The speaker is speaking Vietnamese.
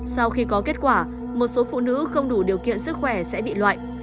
sau khi có kết quả một số phụ nữ không đủ điều kiện sức khỏe sẽ bị loại